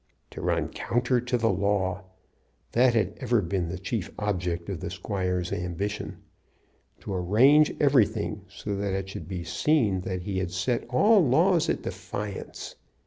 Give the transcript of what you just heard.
To run counter to the law! That had ever been the chief object of the squire's ambition. To arrange everything so that it should be seen that he had set all laws at defiance!